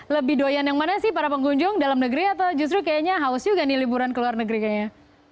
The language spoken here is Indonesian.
lebih doyan yang mana sih para pengunjung dalam negeri atau justru kayaknya haus juga nih liburan ke luar negeri kayaknya